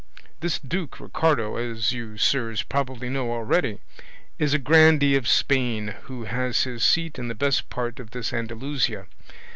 This Duke Ricardo, as you, sirs, probably know already, is a grandee of Spain who has his seat in the best part of this Andalusia.